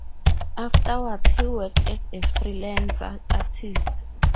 Afterwards, he worked as a freelance artist.